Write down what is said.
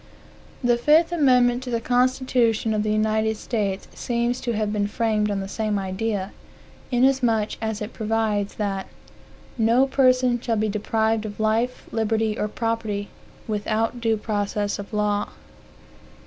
The fifth amendment to the constitution of the United States seems to have been framed on the same idea, inasmuch as it provides that "no person shall be deprived of life, liberty, or property, without due process of law."